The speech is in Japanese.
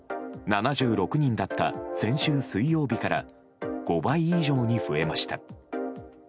７６人だった先週水曜日から５倍以上に増えました。